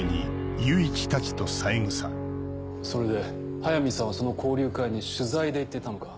それで速水さんはその交流会に取材で行っていたのか？